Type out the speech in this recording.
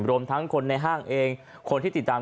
รวมทั้งคนในห้างเองคนที่ติดตาม